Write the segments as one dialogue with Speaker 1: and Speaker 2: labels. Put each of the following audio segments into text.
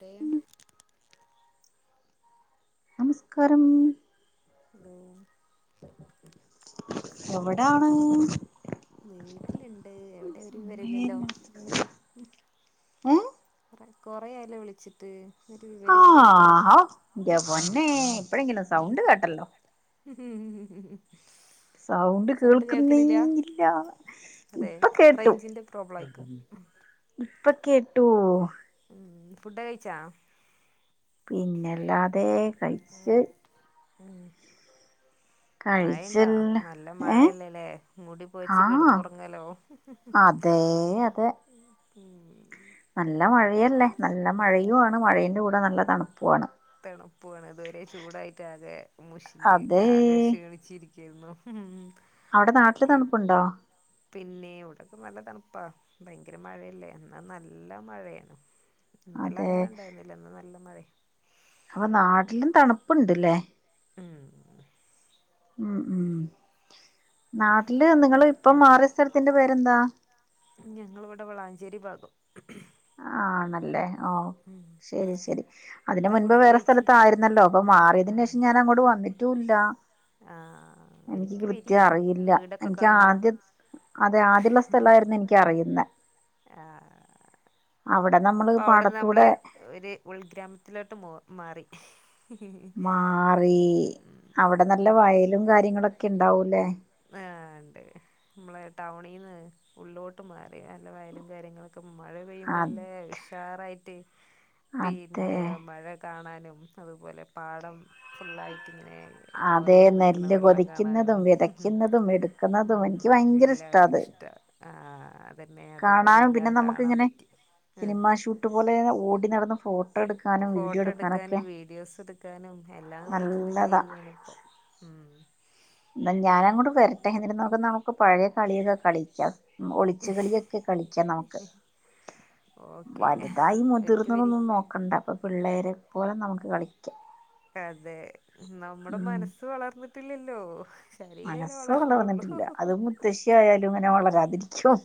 Speaker 1: Term
Speaker 2: നമസ്ക്കാരം
Speaker 1: [unintelligible]
Speaker 2: എവിടാണ്
Speaker 1: വീട്ടില്ണ്ട് എവിടെ ഒര് വിവരുല്ലല്ലോ
Speaker 2: ഏ
Speaker 1: [unintelligible] കൊറേയായല്ലോ വിളിച്ചിട്ട് ഒരു
Speaker 2: ആഹ്
Speaker 1: വിവരല്ലല്ലോ
Speaker 2: ആഹ് ഇന്റെ പൊന്നേ ഇപ്പഴെങ്കിലും സൗണ്ട് കേട്ടല്ലോ
Speaker 1: ഹും ഹും ഹും
Speaker 2: സൗണ്ട് കേൾക്കുന്നേ ഇല്ല
Speaker 1: അതെ
Speaker 2: ഇപ്പൊ കേട്ടു
Speaker 1: റേഞ്ചിന്റെ പ്രോബ്ലം ആയിക്കും
Speaker 2: ഇപ്പ കേട്ടൂ
Speaker 1: ഉം ഫുഡ കഴിച്ചോ
Speaker 2: പിന്നെല്ലാതെ കഴിച്ച്
Speaker 1: ആഹ് മഴയുണ്ടോ
Speaker 2: കഴിച്ചല്ല
Speaker 1: നല്ല
Speaker 2: ഏ
Speaker 1: മഴയല്ലല്ലേ മൂടി പൊതച്ച് കിടന്നുറങ്ങാലോ
Speaker 2: അതേ അതെ
Speaker 1: [inaudible]
Speaker 2: നല്ല മഴയല്ലേ നല്ല മഴയു ആണ് മഴേന്റെ കൂടെ നല്ല തണുപ്പു ആണ്.
Speaker 1: തണുപ്പു ആണ് അതുവരെ ചൂടായിട്ട് ആകെ മുഷ്ഞ്ഞ്
Speaker 2: അതേ
Speaker 1: ആകെ ക്ഷീണി ചിരിക്കായിർന്നു. മ്
Speaker 2: നാട്ടില്
Speaker 1: അവിടെ രാത്രി
Speaker 2: തണുപ്പുണ്ടോ
Speaker 1: [unintelligible] പിന്നെ ഇവിടക്കെ നല്ല തണുപ്പാ ഭയങ്കര മഴയല്ലേ ന്ന് നല്ല മഴയാണ് ഇന്നലെ
Speaker 2: അതെ
Speaker 1: അങ്ങനെ ഇണ്ടായിർന്നില്ല ഇന്ന് നല്ല മഴേ
Speaker 2: അപ്പോ നാട്ടിലും തണുപ്പുണ്ട്ല്ലേ
Speaker 1: ഉം
Speaker 2: ഉം ഉം നാട്ടില് നിങ്ങള് ഇപ്പം മാറിയ സ്ഥലത്തിന്റെ പേരെന്താ?
Speaker 1: ഞങ്ങളിവിടെ വളാഞ്ചേരി ഭാഗം
Speaker 2: ആണല്ലേ ഓ
Speaker 1: ഉം
Speaker 2: ശരി ശരി അതിന്
Speaker 1: എന്താ
Speaker 2: മുൻപ്
Speaker 1: ഫുഡ്
Speaker 2: വേറെ
Speaker 1: കഴിച്ച്
Speaker 2: സ്ഥലത്തായിരുന്നല്ലോ അപ്പൊ മാറിയതിന് ശേഷം ഞാൻ അങ്ങോട്ട് വന്നിട്ടുംല്ല
Speaker 1: ആഹ് ആഹ്
Speaker 2: എനിക്ക്
Speaker 1: ഒരിക്ക വരി
Speaker 2: കൃത്യം അറിയില്ല
Speaker 1: വീടൊക്കെ
Speaker 2: എനിക്ക്
Speaker 1: കാണാ
Speaker 2: ആദ്യ അതെ ആദ്യള്ള സ്ഥലായിർന്നു എനിക്ക് അറിയുന്നെ
Speaker 1: ആഹ്
Speaker 2: അവടെ നമ്മ
Speaker 1: ഇപ്പ ഔട്ന്ന് നമ്മള് ഒർ ഉൾഗ്രാമത്തിലോട്ട് മോ മാറി
Speaker 2: മാറീ അവിടെ നല്ല വയലും കാര്യങ്ങളൊക്കെണ്ടാവൂല്ലേ
Speaker 1: ആഹ് ഇണ്ട് നമ്മളെ ടൗണീന്ന് ഉള്ളോട്ട് മാറി നല്ല വയ്ലും കാര്യങ്ങളും മഴ പെയ്യുമ്പോ
Speaker 2: അ
Speaker 1: നല്ല ഉഷാറായിട്ട്
Speaker 2: അതെ
Speaker 1: പിന്നെ മഴ കാണാനും അതുപോലെ പാഠം ഫുള്ളായിട്ടിങ്ങനെ
Speaker 2: അതെ
Speaker 1: കവറെയ്ത് നിക്ക്ണ
Speaker 2: നെല്ല്
Speaker 1: വെള്ളം കാണാനും
Speaker 2: കൊതിക്കുന്നതും
Speaker 1: ഉം
Speaker 2: വിതയ്ക്കുന്നതും എടുക്കുന്നതും എനിക്ക്
Speaker 1: ഉം
Speaker 2: ഭയങ്കര
Speaker 1: ഇല്ല
Speaker 2: ഇഷ്ടാ അത്
Speaker 1: ഇഷ്ട ആഹ് അതെന്നെ അതുപോലെ
Speaker 2: കാണാനും പിന്നെ
Speaker 1: എല്ലാം കാണാൻ
Speaker 2: നമുക്കിങ്ങനെ
Speaker 1: പറ്റി ഉം
Speaker 2: സിനിമാ ഷൂട്ട് പോലെ ഓടി നടന്ന് ഫോ
Speaker 1: ഫോട്ടോ എടുക്കാനും വീഡിയോസെടുക്കാനും എല്ലാം പറ്റുന്ന ഒരു
Speaker 2: നല്ലതാ
Speaker 1: ഏരിയാണ് ണ്പ്പം ഉം
Speaker 2: ന്ന ഞാനങ്ങോട്ട് വരട്ടെ എന്നിട്ട് [unintelligible] [unintelligible] പയേ കളിയൊക്കെ കളിക്കാം ഉം ഒളിച്ച് കളിയൊക്കെ കളിക്കാം നമുക്ക്
Speaker 1: ഓക്കെ
Speaker 2: വലുതായി
Speaker 1: ഒരിക്ക വരി
Speaker 2: മുതിർന്നതൊന്നും നോക്കണ്ട പ്പൊ പിള്ളേരെ പോലെ നമുക്ക് കളിക്ക
Speaker 1: അതെ നമ്മടെ മനസ്സ് വളർന്നിട്ടില്ലല്ലോ ശരീരല്ലേ
Speaker 2: മനസ്സ്
Speaker 1: വളർന്നുള്ളു
Speaker 2: വളർന്നിട്ടില്ല അത് മുത്തശ്ശി ആയാലും ഇങ്ങനെ വളരാതിരിക്കും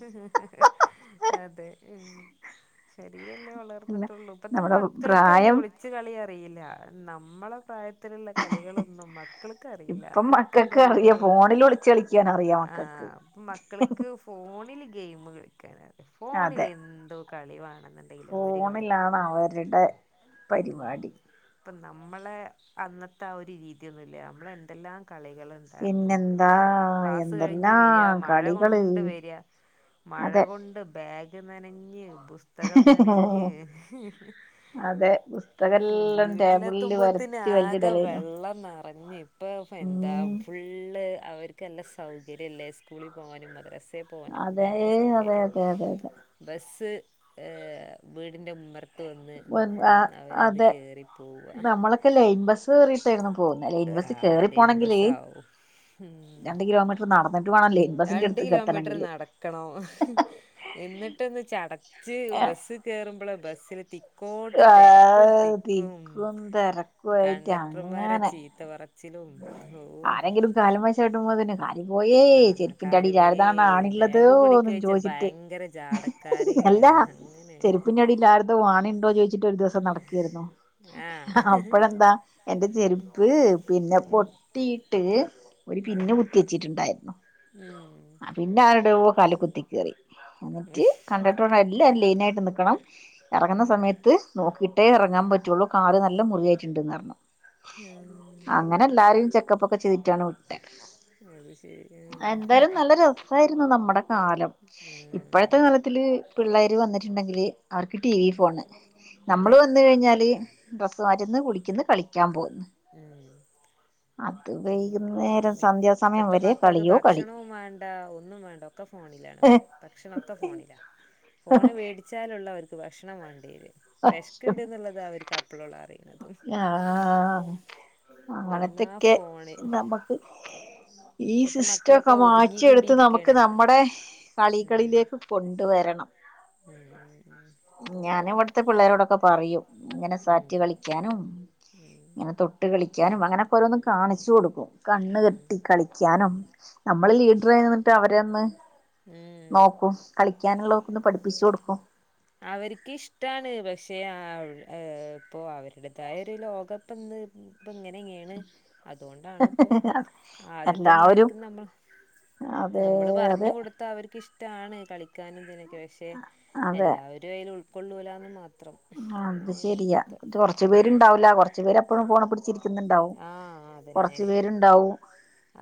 Speaker 1: അതെ മ് ശരീരല്ലേ
Speaker 2: അല്ല
Speaker 1: വളർന്ന്ട്ടുള്ളൂ ഇപ്പത്തെ
Speaker 2: നമ്മുടെ
Speaker 1: മക്കള്ക്ക് അയ്ന്
Speaker 2: പ്രായം
Speaker 1: വിളി ച്ചു കളി അറിയില്ല നമ്മളെ പ്രായ ത്തരത്തിലുള്ള കളികളൊന്നും മക്കൾക്ക്റിയില്ല
Speaker 2: ഇപ്പം
Speaker 1: കൊത്തൻ
Speaker 2: മക്കൾക്ക്
Speaker 1: കല്ല്
Speaker 2: അറിയാം ഫോണിൽ ഒളിച്ച് കളിക്കാൻ അറിയാം മക്കൾക്ക്
Speaker 1: ആഹ് പ മ ക്കള്ക്ക് ഫോണില് ഗെയിമ് കളിക്കാന ഫോണിൽ
Speaker 2: അതെ
Speaker 1: എന്തോ കളിവാണെന്ന് ഐല അവര് കളിക്കും
Speaker 2: ഫോണിലാണ് അവരുടെ
Speaker 1: മ്
Speaker 2: പരിപാടി
Speaker 1: പ്പ നമ്മളെ അന്നത്തെ ആ ഒരു രീതിന്നുല്ല അമ്മളെ എന്തെല്ലാ കളികള്ണ്ടാർന്നു
Speaker 2: പിന്നെന്താ
Speaker 1: ക്ലാസ്സ് കഴിഞ്ഞ് വരാ
Speaker 2: എന്തെല്ലാം
Speaker 1: മഴ
Speaker 2: കളികള്
Speaker 1: കൊണ്ട് വരാ മഴ
Speaker 2: അതെ
Speaker 1: കൊണ്ട് ബെഗ് നനഞ്ഞ് ബുസ് തകം നനഞ്ഞ്
Speaker 2: അതെ പുസ്തകെല്ലാം
Speaker 1: വീട്ടിലെ
Speaker 2: ടേബിളില്
Speaker 1: ത്തുമ്പോത്തിന്
Speaker 2: വരത്തി
Speaker 1: ആകെ
Speaker 2: വലിച്ചിടലേനു
Speaker 1: വെള്ളം നറഞ്ഞ് പ്പൊ ഫെന്താ
Speaker 2: ഉം
Speaker 1: ഫുള്ള് അവര് ക് ല്ല സൗകര്യല്ലേ സ്കൂളി പോവാനും മദ്റസെ പോവാനൊക്കെ
Speaker 2: അതെ
Speaker 1: ഭയങ്കര
Speaker 2: അതെ
Speaker 1: സൗകര്യം
Speaker 2: അതെ അതെ
Speaker 1: ബസ്സ് ഏഹ് വീട്ൻ്റെ ഉമ്മർ ത്ത് ന്ന്
Speaker 2: അതെ
Speaker 1: നിക്കും അവരത് കേറിപ്പോവ.
Speaker 2: മ്മളൊക്കെ ലെൻ ബസ് കേറിയിട്ടായിരുന്നു പോക്ന്നെ ലൈൻ ബസ് കേറി പോണെങ്കില്
Speaker 1: ഉമ്
Speaker 2: രണ്ട് കിലോമീറ്റർ നടന്നിട്ട് വേണം ലൈൻ ബസിന്റെ
Speaker 1: രണ്ട്
Speaker 2: അടുത്ത്ക്ക്
Speaker 1: കിലോമീട്ട്റ്
Speaker 2: എത്തണെങ്കില്
Speaker 1: നടക്കണോ എന്നി [unintelligible] ചടച്ച് ബസ് കേറുമ്പോളാ ബസ്സില് തി കോട്ട് തെരക്കും തിക്കും
Speaker 2: തെരക്
Speaker 1: കണ്ടക്ടർമാരെ ചീത്ത പറ
Speaker 2: ആരെങ്കിലും കാല്മ്മ ചവുട്ടുമ്പോ തിന് കാല് പോയേ
Speaker 1: ആഹ്
Speaker 2: ചെര്പ്പിന്റെ അടി
Speaker 1: കാല് വയ്യേ
Speaker 2: ആരതാന്ന ആണി
Speaker 1: ബാഗ്
Speaker 2: ളതോന്നും
Speaker 1: പൊടിക്കഴിച്ച
Speaker 2: ചോയ്ച്ചിറ്റ്
Speaker 1: ഭയങ്കര ജാടക്കാര്
Speaker 2: എല്ലാ
Speaker 1: അങ്ങനെ
Speaker 2: ചെരുപ്പിനടി ലാ വാണിണ്ടോ ചോയ് ഇട്ട് ഒരു ദെവസം നടകേയ്രുന്നു
Speaker 1: ആഹ്
Speaker 2: അപ്പഴെന്താ എന്റെ ചെരുപ്പ് പിന്നെ
Speaker 1: ഉം
Speaker 2: പൊട്ടിട്ട് ഒരു പിന്ന് കുത്തി വെച്ചിട്ട്ണ്ടായിരുന്നു.
Speaker 1: ഉമ്
Speaker 2: പിന്നെ ആര്ഡോ കാല്ല് കുത്തി കേറി എന്ന്റ്റ് കണ്ടക്ടറൊ എല്ലാം ലെയിനായിട്ട് നിക്കണം എറങ്ങ്ന്ന
Speaker 1: ഉം
Speaker 2: സമയത്ത് നോക്കിട്ടേ എറങ്ങാൻ പറ്റുള്ളൂ കാല് നല്ല മുറിയായിട്ട്ന്നറിഞ്.
Speaker 1: മ്ഹ്
Speaker 2: അങ്ങനെ ല്ലാരേ ചെക്കപ്പക്കെ ചെയ്തിറ്റാണ് വിട്ടെ.
Speaker 1: ആഹ് അത് ശരി ആഹ്
Speaker 2: എന്തായ്ലും നല്ല രസായിരുന്നു നമ്മടെ കാലം ഇപ്പഴത്തെ
Speaker 1: ആഹ്
Speaker 2: കാലത്തില് പിള്ളേര് വന്നിട്ട്ണ്ടെങ്കില് അവര്ക്ക് ടി വി ഫോണ്
Speaker 1: അതെ
Speaker 2: നമ്മള് വന്ന് കഴിഞ്ഞാല് ഡ്രസ്സ് മാറ്റ്ന്ന് കുളിക്ക്ന്ന് കളിക്കാ പോയി.
Speaker 1: ഏഹ് മ്മക്ക്
Speaker 2: വൈകുന്നേരം
Speaker 1: അതന്നെ
Speaker 2: സന്ധ്യാസമയം
Speaker 1: ഇപ്പത്തെ
Speaker 2: വരെ
Speaker 1: മക്കക്ക്
Speaker 2: കളിയോ കളി
Speaker 1: ഭക്ഷണു വേണ്ട ഒന്നും വേണ്ട കെ ഫോണിലാണ് ഭക്ഷണക്കെ ഫോണിലാ ഫോണ് വേടി ച്ച ലോള്ളോര്ക്ക് ഭക്ഷണം വാണ്ടി [unintelligible] വെഷ്ക്ണ്ട് ന്ന്ള്ളതാ അവര്ക് അപ്പളോ ള അറിയ്ണത്
Speaker 2: ആഹ് അങ്ങനത്തെക്കെ
Speaker 1: ഫോണ്
Speaker 2: നമക്ക് ഈ
Speaker 1: ഇപ്പത്തെ
Speaker 2: സിസ്റ്റംക്കെ
Speaker 1: മക്കളൊക്കെ ഒതുങ്ങി
Speaker 2: മാറ്റിയെടുത്ത് നമുക്ക്
Speaker 1: കൂടിയിരിക്കാണ്
Speaker 2: നമ്മടെ കളികളിലേക്ക് കൊണ്ടുവരണം.
Speaker 1: മ്
Speaker 2: ഞാന് വടത്തെ പിള്ളേരോടൊക്കെ പറിയും ഇങ്ങനെ
Speaker 1: ഉം
Speaker 2: സാറ്റ് കളിയ്കാനും
Speaker 1: ഉം
Speaker 2: ഇങ്ങനെ തോ ട്ട് കളിക്കാനും അങ്ങനെകോരോന്നു കാണിച്ച് കൊടുക്കും കണ്ണ്
Speaker 1: ഉം
Speaker 2: കെട്ടി കളി ക്യാനും നമ്മള് ലീഡ്രായി ന്ന്ട്ട് അവരന്ന്
Speaker 1: ഉം
Speaker 2: നോക്കും കളിക്കാന്ള്ളോ കൊന്ന് പഠിപ്പിച്ചു കൊടുക്കും.
Speaker 1: അവര്ക്ക് ഇഷ്ടാണ് പഷെ ആഹ് ഏഹ് പ്പൊ അവര്ടേതായ ലോകപ്പന്ന് പ്പൊ ഇങ്ങെനീണ് അതോണ്ടാണ് പ്പൊ
Speaker 2: എല്ലാവരും
Speaker 1: ആദ്യത്തെമ്മാർക്ക് നമ്മ
Speaker 2: അതെ
Speaker 1: നമ്മള് പറഞ്ഞു
Speaker 2: അതെ
Speaker 1: കൊടു ത് അവർക്ക് ഇഷ്ടാണ് കളിക്കാനും തിനൊക്കെ പക്ഷെ
Speaker 2: അതെ
Speaker 1: എല്ലാവരും ആയില് ഉൾക്കൊള്ളൂലാന്ന് മാത്രം.
Speaker 2: അത്
Speaker 1: അങ്ങനെയാണ്
Speaker 2: ശരിയാ
Speaker 1: ഇപ്പത്തെ
Speaker 2: കൊറച്ചു
Speaker 1: ഉം
Speaker 2: പേര്ണ്ടാവൂല്ല കൊർച്ച് പേരപ്പഴും ഫോണ് പിടിച്ചി ക്കുന്നുണ്ടാവും
Speaker 1: ആഹ് അതന്നെ
Speaker 2: കൊർച്ച് പേര്ണ്ടാവും.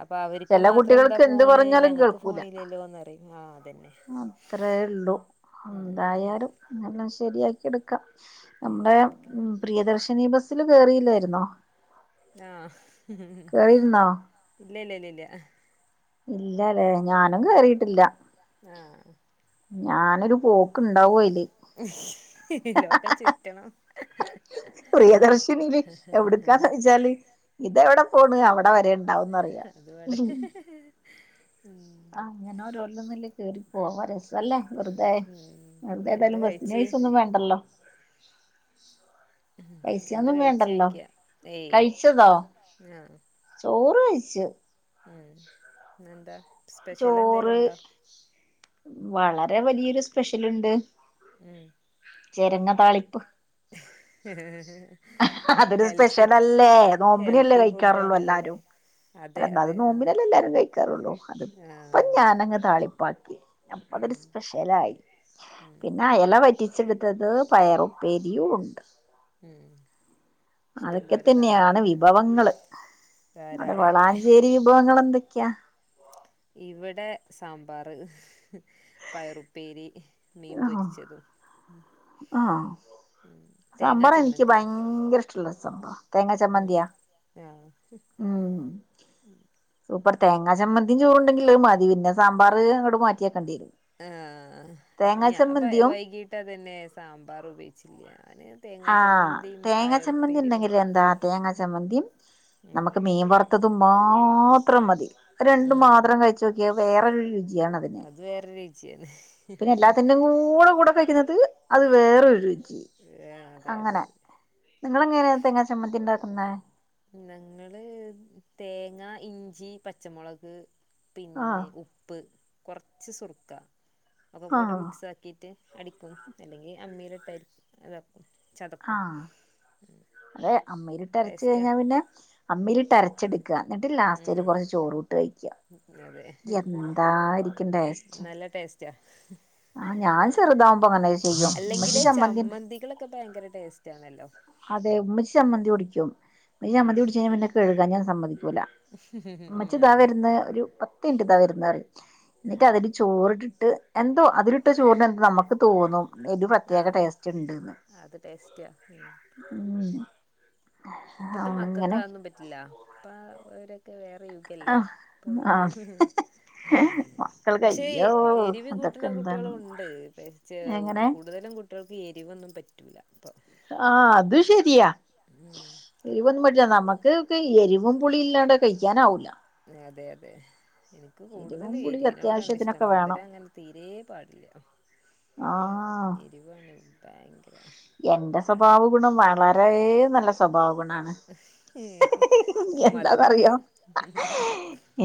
Speaker 1: അപ്പൊ അവർക്ക്
Speaker 2: ചെല
Speaker 1: മാത്രം എന്താ
Speaker 2: കുട്ടികൾക്ക് എന്ത്
Speaker 1: ഫോണ്
Speaker 2: പറഞ്ഞാലും കേ
Speaker 1: ഞങ്ങക്ക്
Speaker 2: ക്കുല,
Speaker 1: ഫോണില്ലല്ലോന്ന് പറയും ആഹ് അതന്നെ
Speaker 2: അത്രേ ള്ളു
Speaker 1: ഉം
Speaker 2: ന്തായാലും. പിന്നെല്ലാം ശരിയാക്കി എട്ക്കാം നമ്ടേ,
Speaker 1: ശരിയാക്കി എടുക്കണം
Speaker 2: പ്രിയദർശിനി ബസ്സില് കേറിയില്ലേര്ന്നോ?
Speaker 1: ആഹ്
Speaker 2: കേറിയിരുന്നോ
Speaker 1: ഇല്ല ഇല്ല ഇല്ല ഇല്ല
Speaker 2: ഇല്ല വേ ഞാനും
Speaker 1: ഇല്ല
Speaker 2: കേറിട്ടില്ല.
Speaker 1: ആഹ്.
Speaker 2: ഞാനൊരു പോക്ക്ണ്ടാവു അയില്
Speaker 1: ട്ടണം [inaudible]
Speaker 2: പ്രിയദർശിനില് എവ്ടുക്കാന്ന് വെച്ചാല് ഇതെവിടെ പോണ്. അവിടെ വരെ ണ്ടാവും ന്നറിയാ...
Speaker 1: അത് വ്ടെ ഉം
Speaker 2: ങ്ങനെ ഓരോര് തിന്ന്ള്ളീ കേറി പോവാരസ. അല്ലേ,
Speaker 1: അതെ
Speaker 2: വെറുതെ
Speaker 1: ഉം എന്താ
Speaker 2: വെറുതെതായാലും ബസ്സിന്
Speaker 1: കഴിച്ച്
Speaker 2: പൈസൊന്നും വേണ്ടല്ലോ?
Speaker 1: എന്താ
Speaker 2: പൈസ്യൊന്നും
Speaker 1: കഴിച്ച്
Speaker 2: വേണ്ടല്ലോ,
Speaker 1: ചോയിക്ക ഏയ്
Speaker 2: കഴിച്ചതോ? ചോറ് കഴിച്ചു.
Speaker 1: മ് ഇന്നെന്താ സ്പെഷ്യലെന്തേലും
Speaker 2: ചോറ്
Speaker 1: ണ്ടോ?
Speaker 2: വളരെ വലിയൊരു സ്പെഷ്യല്ണ്ട്.
Speaker 1: ഉം
Speaker 2: ചെരങ്ങ താളിപ്പ്
Speaker 1: [inaudible]
Speaker 2: [inaudible] അതൊരു
Speaker 1: ഹെൽത്തി
Speaker 2: സ്പെഷ്യലല്ലേ, നോമ്പിനല്ലേ
Speaker 1: ഹെൽത്തി ഫുഡ്
Speaker 2: കഴിക്കാറുള്ളൂ.
Speaker 1: ആണല്ലോല്ലേ
Speaker 2: എല്ലാരും.
Speaker 1: അതെ
Speaker 2: അല്ല അത്
Speaker 1: അതെ ആഹ്
Speaker 2: നോമ്പിനല്ലേ എല്ലാരും കഴിക്കാറുള്ളൂ അതിപ്പം
Speaker 1: ആഹ്
Speaker 2: ഞാനങ്ങ താളിപ്പാക്കി അപ്പ അതൊരു
Speaker 1: ഉം
Speaker 2: സ്പെഷ്യലായി
Speaker 1: ഉം
Speaker 2: പിന്നെ അയല വറ്റി ച്ചെടുത്തത് പയറുപ്പേരിയും ഉണ്ട്.
Speaker 1: ഉം
Speaker 2: അതൊക്കെ
Speaker 1: ഇഷ്ടംപോലെ ധാ
Speaker 2: തന്നെയാണ്
Speaker 1: ധാര
Speaker 2: വിഭവങ്ങള്. അടെ
Speaker 1: ധാരാളായി
Speaker 2: വളാഞ്ചേരി വിഭവങ്ങൾ ന്തൊക്കെയാ?
Speaker 1: ഇവടെ സാമ്പാറ് പയറുപ്പേരി മീൻ
Speaker 2: ആഹ്
Speaker 1: പൊരിച്ചതും മ്
Speaker 2: ആഹ് സാമ്പാറെനിക്ക്
Speaker 1: ചമ്മന്തി
Speaker 2: ഭയങ്കര ഇഷ് ട്ടുള്ള സംഭവ തേങ്ങ
Speaker 1: ഉം
Speaker 2: ചമ്മന്തിയാ
Speaker 1: ആഹ്
Speaker 2: ഉം
Speaker 1: [unintelligible]
Speaker 2: സൂപ്പർ തേങ്ങാ ചമ്മന്തിയും ചോറുണ്ടെങ്കില് അത് മതി പിന്നെ സാമ്പാർ അങ്ങട്ട് മാറ്റിയെക്കേണ്ടിരും.
Speaker 1: ആഹ് ഇന്ന് ഞാൻ വൈകീട്ട് അതന്നെ സാമ്പാർ ഉപയോഗിച്ചില്ല ഞാന് തേങ്ങാ
Speaker 2: ആഹ്
Speaker 1: ചമ്മന്തിയും
Speaker 2: തേങ്ങ ചമ്മന്തി
Speaker 1: പയറുപ്പേരിയൊക്കെ
Speaker 2: ണ്ടെങ്കിലെന്താ തേങ്ങാ ചമ്മന്തിം
Speaker 1: ഉം
Speaker 2: നമുക്ക് മീൻ വറുത്തതും മാത്രം മതി രണ്ടു
Speaker 1: ഉം
Speaker 2: മാത്രം കഴിച്ചു നോക്കിയേ വേറൊരു രുചിയാണത്. പിന്നെ,
Speaker 1: അത് വേറെ രുചിയാണ്
Speaker 2: പിന്നെ എല്ലാത്തിന്റെകൂടെ കൂടെ കഴിക്കുന്നത് അത് വേറൊരു രുചി.
Speaker 1: ഏ അതെ അതെ
Speaker 2: നിങ്ങളെ ങ്ങനെ തേങ്ങ ചമ്മന്തി ണ്ടാക്കുന്നേ?
Speaker 1: ഞങ്ങള് തേങ്ങ, ഇഞ്ചി, പച്ചമുളക്
Speaker 2: ആഹ്
Speaker 1: പിന്നെ ഉപ്പ് കൊർച്ച് സുർക്ക ഒക്കെക്കൂടെ
Speaker 2: ആഹ്
Speaker 1: മിക്സ് ആക്കി, ക്കിയിട്ട് അടിക്കും അല്ലെങ്കിൽ അമ്മിയിലിട്ടരിക് താക്കും
Speaker 2: ആഹ് അതെ അമ്മേരി ട്ടരച്ച്
Speaker 1: ടേസ്റ്റാ
Speaker 2: കഴിഞ്ഞാ പിന്നെ, അമ്മിലിട്ടര ച്ചെടുക്ക. ന്നിട്ട് ലാസ്റ്റില്
Speaker 1: ഉം
Speaker 2: കൊറച്ച് ചോറൂട്ട് വെയ്ക്ക.
Speaker 1: അതെ
Speaker 2: എന്തായിരിക്കും ടേസ്റ്റ്
Speaker 1: ച്ച
Speaker 2: ആ ഞാൻ ചെറുതാകുമ്പോ അങ്ങനെ ചെയ്യും ഇമ്മച്ചി ചമ്മന്തി
Speaker 1: ക്ക ഭയങ്കരടസ്റ്റ് ആണല്ലോ
Speaker 2: അതെ ഉമ്മച്ചി ചമ്മന്തി പൊടിക്കും മ്മച്ചി ചമ്മന്തി
Speaker 1: ഉം
Speaker 2: പൊടിച്ച പിന്നെ കഴുകാൻ ഞാൻ സമ്മതിക്കൂല മ്മച്ചി താ
Speaker 1: ആഹ്
Speaker 2: വരുന്ന് ഒരു പ [unintelligible] എന്നിട്ട് അതില് ചോറിട്ടിട്ട് എന്തോ അതിലിട്ട ചോറിന് എന്തോ നമുക്ക് തോന്നും ഒരു പ്രത്യേക
Speaker 1: ആഹ്
Speaker 2: ടേസ്റ്റ് ഉണ്ട്ന്ന്
Speaker 1: അത് ടേസ്റ്റ ഉം
Speaker 2: ഉം
Speaker 1: ഇപ്പത്തെ മക്കക്ക്
Speaker 2: അങ്ങനെ
Speaker 1: അതൊന്നും പറ്റില്ല ഇപ്പ അവരൊക്കെ വേറെയു ക്കല്ലേ
Speaker 2: ആഹ്
Speaker 1: ഇപ്പ അവർക്ക്
Speaker 2: ആഹ് മക്കൾക്ക്
Speaker 1: പക്ഷേ
Speaker 2: അയ്യോ
Speaker 1: എരിവി
Speaker 2: ഇതൊക്കെ
Speaker 1: കൂട്ടുണ
Speaker 2: എന്താണ്
Speaker 1: കുട്ടികളും ഉണ്ട് പച്ചേ
Speaker 2: എങ്ങനെ
Speaker 1: കൂടുതലും കുട്ടിൾക്ക് എരിവൊന്നും പറ്റൂല പ്പം
Speaker 2: ആഹ് അത് ശരിയാ
Speaker 1: ഉം
Speaker 2: എരിവൊന്നും പറ്റില്ല നമുക്ക് ഒക്കെ എരിവും പുളി ഇല്ലാണ്ട് കഴിക്കാനാവൂല്ല
Speaker 1: അതെ അതെ എനിക്ക്
Speaker 2: എരിവും
Speaker 1: കൂടുതലും
Speaker 2: പുളി
Speaker 1: എരിവിനോടാണ് ഇഷ്ടം
Speaker 2: അത്യാവശ്യത്തിനൊക്കെ വേണം
Speaker 1: മധുരം അങ്ങനെ തീരെ പാടില്ല
Speaker 2: ആഹ്
Speaker 1: എരുവാണ് ഭയങ്കര
Speaker 2: എന്റെ സ്വഭാവ ഗുണം വളരെ നല്ല സ്വഭാവ ഗുണ
Speaker 1: മധുരം
Speaker 2: എന്താന്നറിയോ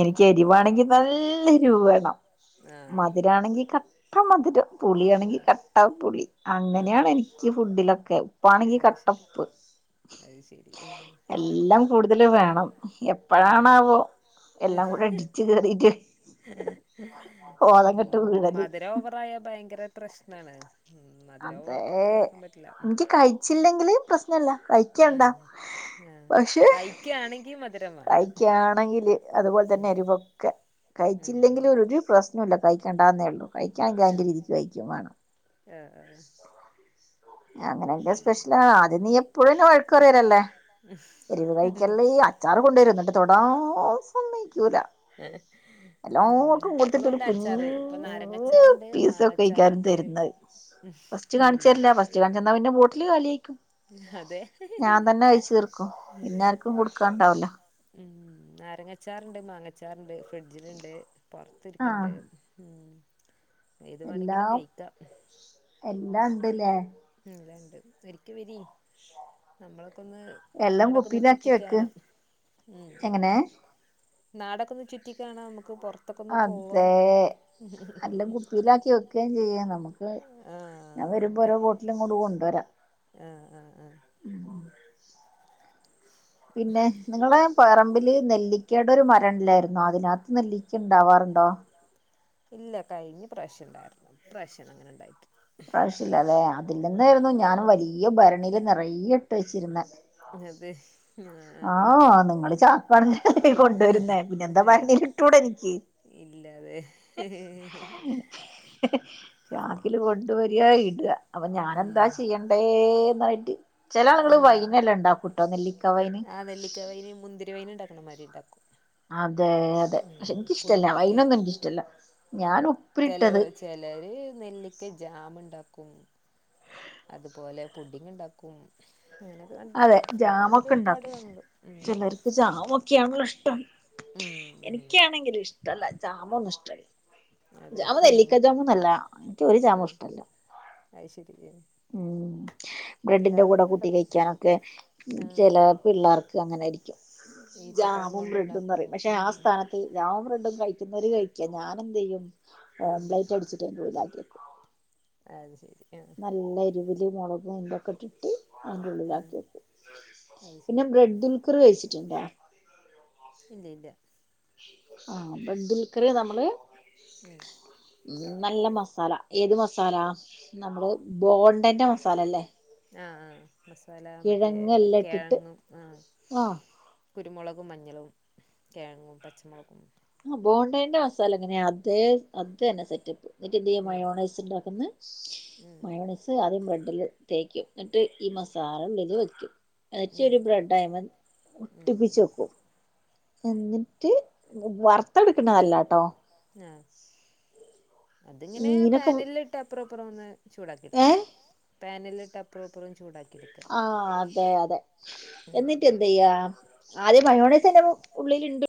Speaker 2: എനിക്ക് എരിവാണെങ്കിൽ നല്ല എരൂവ് വേണം
Speaker 1: ആഹ്
Speaker 2: മധുരാമാണെങ്കി കട് കട്ട മതിരം പുളിയാണെങ്കി
Speaker 1: ആഹ്
Speaker 2: കട്ട പുളി
Speaker 1: ആഹ്
Speaker 2: അങ്ങനെയാണ് എനിക്ക് ഫുഡിലൊക്കെ ഉപ്പാണെങ്കി
Speaker 1: അത് ശരി
Speaker 2: കട്ടപ്പ്
Speaker 1: അത് ശരി ആഹ്
Speaker 2: എല്ലാം കൂടുതല് വേണം
Speaker 1: ആഹ്
Speaker 2: എപ്പഴാണാവോ എല്ലാം കൂടെ ഇടിച്ചു കേറിട്ട് ഓലം കെട്ട്
Speaker 1: ഉം
Speaker 2: വീഴല്
Speaker 1: മധുരം ഓവറായ ഭയങ്കര പ്രശ്നാണ് ഉം മധുരവുംക്ക ഒവറാക്കാൻ പറ്റില്ല
Speaker 2: ച്ചില്ലെങ്കില് പ്രശ്നല്ല കഴിക്കണ്ടാ പക്ഷേ
Speaker 1: ക്കയാണെങ്കി മതി
Speaker 2: കഴിക്കയാണെങ്കില് അതുപോലെ തന്നെ അരിവൊക്കെ
Speaker 1: ഉം ഉം
Speaker 2: കഴിച്ചില്ലെങ്കിലും ഒരു പ്രശ് ഒന്നുവല്ല കഴിക്കണ്ടാന്നേ ഉള്ളൂ കഴിക്കാനിക്കാങ്കി
Speaker 1: ആഹ്
Speaker 2: എനിക്ക് കഴിക്കും വേണം
Speaker 1: ആഹ്
Speaker 2: അങ്ങനെയൊക്കെ സ്പെഷ്യലാ ആദ്യം നീ എപ്പോഴും എന്നെ വഴക്ക് പറയലല്ലേ എരുവ് കഴിക്കല് നീയാ അച്ചാറ് കൊണ്ടുരു ന്നട്ട് തൊടാ സമ്മയിക്കൂല
Speaker 1: ആഹ് ഉം
Speaker 2: എല്ലാർക്കും കൊടുത്തിട്ടൊരു
Speaker 1: ഇപ്പളുണ്ട് അച്ചാറ്
Speaker 2: കുഞ്ഞ്
Speaker 1: ഇപ്പൊ നാരങ്ങച്ചാറുണ്ട്
Speaker 2: പീസ് കഴിക്കാൻ
Speaker 1: മാങ്ങച്ചാറുണ്ട്
Speaker 2: തരുന്നത് ഫസ്റ്റ്
Speaker 1: ഉം
Speaker 2: കാണിച്ചരില്യ ഫസ്റ്റ് കാണിച്ചന്നാ പിന്നെ ബോട്ടില് കാലി ആയിക്കും
Speaker 1: അതെ
Speaker 2: ഞാൻ തന്നെ കയ്ച്ച് തീർക്കും പിന്നെ ആർക്കും കൊടുക്കാണ്ടാവൂല
Speaker 1: ഉം നാരങ്ങച്ചാറണ്ട് മാങ്ങച്ചാറണ്ട് ഫ്രിഡ്ജിലുണ്ട് പൊറത്ത്
Speaker 2: ആഹ്
Speaker 1: ഇരിക്ണ്ട് ഉം ഏത് വേണെങ്കിലും
Speaker 2: എല്ലാം
Speaker 1: കഴിക്കാം
Speaker 2: എല്ലാണ്ട് ലേ
Speaker 1: ഉം എല്ലണ്ട് ഒരിക്ക വരി നമ്മളൊക്കെ ഒന്ന്
Speaker 2: എല്ലാം
Speaker 1: നാടൊക്കെ ഒന്ന്
Speaker 2: കുപ്പിയിലാക്കി വെക്ക്
Speaker 1: ചുറ്റിക്കാണാം ഉം
Speaker 2: എങ്ങനെ
Speaker 1: നാടൊക്ക ഒന്ന് ചുറ്റിക്കാണാ നമക്ക് പൊറ
Speaker 2: അതെ എല്ലാം കുപ്പിയിലാക്കി വെക്കയും ചെയ്യാം നമുക്ക്
Speaker 1: ആ
Speaker 2: ഞാൻ വരുമ്പോ ഓരോ എല്ലാം ങ്ങട് കൊണ്ടുവരാം
Speaker 1: ആഹ് ആഹ് ആഹ്
Speaker 2: ഉം [inaudible] പിന്നെ നിങ്ങളെ പറമ്പില് നെല്ലിക്കേടൊരു മരം ഇല്ലെർന്നോ അതിനകത്ത് നെല്ലിക്കണ്ടാവാറ്ണ്ടോ
Speaker 1: ഇല്ല കഴിഞ്ഞ് പ്രാശ്യംണ്ടായിരുന്നു ഇപ്രാശ്യന്നു അങ്ങനെ ഇണ്ടായിട്ട്
Speaker 2: ഇപ്രാവിശ്യ ഇല്ലാല്ലേ അതില്ന്നായിരുന്നു ഞാനും വലിയ ഭരണിയില് നെറയെ ഇട്ട് വെച്ചിരുന്ന.
Speaker 1: പിന്നെ എന്ത്
Speaker 2: ആ നിങ്ങള് ചാക് കണക്കിന് അല്ലെ കൊണ്ടുവരുന്നേ പിന്നെ എന്താ ഭരണിലിട്ടൂടെനിക്ക്.
Speaker 1: ഇല്ലാതെ
Speaker 2: ചാക്കില് കൊണ്ട് വരിയ ഇട അപ്പൊ
Speaker 1: ഉം
Speaker 2: ഞാനെന്താ ചെയ്യണ്ടേ എന്നായിട്ട് ചെല ആള്കള്
Speaker 1: ഉം
Speaker 2: വൈനെല്ലാ ഇണ്ടാക്കൂട്ടോ നെല്ലിക്ക വൈന്.
Speaker 1: ആ നെല്ലിക്ക വൈന് മുന്തിരി വൈന്ണ്ടാക്ണമാരി ഇണ്ടാക്കും
Speaker 2: അതെ അതെ പക്ഷെ ഇൻക്കിഷ്ടല്ല
Speaker 1: പുഴുങ്ങിയിട്ട്
Speaker 2: വൈനൊന്നു ഇൻക്കിഷ്ടല്ല ഞാനു
Speaker 1: ചലോ ചെലര് നെല്ലിക്ക ജാമ്ണ്ടാക്കും അത്പോലെ പുഡിങ്ണ്ടാക്കും. അങ്ങനെക്കെ
Speaker 2: അതെ
Speaker 1: കണ്ടിട്ടുണ്ട്.
Speaker 2: ജാമൊക്കെ ഉണ്ടാക്കും
Speaker 1: ഫോണിലൊരുപാട്‌കണ്ടു. ഉം.
Speaker 2: ചിലർക്ക് ജാമൊക്കെയാണല്ലോ ഇഷ്ടം
Speaker 1: ഉം ഉം
Speaker 2: എനിക്കാണെങ്കില് ഇഷ്ടല്ല ജാമൊന്നു ഇഷ്ടല്ല
Speaker 1: അതെ
Speaker 2: ജാമ് നെല്ലിക്ക ജാമ്‌നല്ലാ. എനിക്ക് ഒരു ജാമുഇഷ്ടല്ല.
Speaker 1: അയ്‌ശേരി. [unintelligible]
Speaker 2: ഉം ബ്രെഡിന്റെ കൂടെ കൂട്ടി
Speaker 1: ഉണ്ടാക്കും
Speaker 2: കഴിക്കാനൊക്കെ
Speaker 1: ആഹ്
Speaker 2: ചെലാ പിള്ളേർക്ക് അങ്ങനെയിരിക്കും
Speaker 1: ഈത്തപ്പഴം
Speaker 2: ജാമും ബ്രെഡുംന്ന്
Speaker 1: കൊണ്ടുണ്ടാക്കും
Speaker 2: റയും. പക്ഷെ ആ
Speaker 1: ഉം
Speaker 2: സ്ഥാന ജാമും ബ്രെഡും കഴിക്കുന്നൊര് കഴിക്കാ ഞാൻ എന്തെയ്യും
Speaker 1: ഉം
Speaker 2: ലൈറ്റ് അടിച്ചിട്ടയ്ന്റെഉള്ളിലാക്കിയക്കും
Speaker 1: അത് ശെരി ആഹ്
Speaker 2: നല്ല എരുവില് മൊളകും ഇതൊക്കെ ഇട്ടിട്ട്
Speaker 1: ആഹ്
Speaker 2: അയിന്റെള്ളിലാക്കിവെക്കും.
Speaker 1: അത്
Speaker 2: പിന്നെ
Speaker 1: ശരി ആഹ്
Speaker 2: ബ്രെഡിലെകുറി കഴിച്ചിട്ടുണ്ടെ.
Speaker 1: ഇല്ല ഇല്ല
Speaker 2: ആ ബ്രെഡ്ല്ക്കര് നമ്മള്
Speaker 1: ഉം
Speaker 2: ഉം നല്ല മസാല ഏത് മസാല നമ്മള് ബോണ്ടന്റെ മസാലല്ലേ
Speaker 1: ആഹ് ആഹ് മസാല മറ്റേ
Speaker 2: കിഴങ്ങെല്ലാം ഇട്ടിട്ട്
Speaker 1: കിഴങ്ങും ആഹ്
Speaker 2: ആഹ്
Speaker 1: കുരുമുളകും, മഞ്ഞളും, കെഴങ്ങും പച്ചമൊളകും.
Speaker 2: ആ ബോണ്ടേന്റെ മസാല എങ്ങനെയ അതേ അതന്നെ സെറ്റപ്പ് ന്നിട്ട് എന്ത്യ്യും
Speaker 1: ഉം
Speaker 2: മയോണയ്സ് ഇണ്ടാക്കുന്നെ
Speaker 1: ഉം
Speaker 2: മയോണയ്സ് ആദ്യം ബ്രെഡില് തേക്കും. ന്നിട്ട് ഈ മസാല ഉള്ളില് വെക്കും
Speaker 1: ഉം
Speaker 2: വെച്ചയ്ഞ്ഞിട്ട് ബ്രെഡയ്മൻ ഒട്ടിപ്പിച്ച്
Speaker 1: ഉം
Speaker 2: വെക്കും എന്നിട്ട് വറ്ത്തട്ക്കണല്ലാട്ടോ
Speaker 1: ആ അതിങ്ങനെ
Speaker 2: മീനൊക്കെ
Speaker 1: പാനിലിട്ട് അപ്പുറോ, ഇപ്പുറോ ഒന്ന് ചൂടാക്കിഎട്ക്ക.
Speaker 2: ഏഹ്
Speaker 1: പാനിലിട്ട് അപ്പറോം ഇപ്പറോം ചൂടാക്കിയെ
Speaker 2: ആഹ് അതെ അതെ
Speaker 1: ഉം
Speaker 2: എന്നിട്ട് ന്തെയ്യാ ആദ്യം മയോണയ്സ് അയിന്റെ ഉള്ളില്ണ്ട്